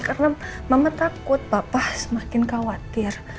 karena mama takut bapak semakin khawatir